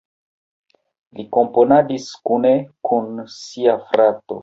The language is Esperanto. Li komponadis kune kun sia frato.